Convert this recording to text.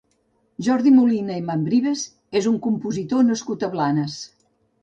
Jordi Molina i Membrives és un compositor nascut a Blanes.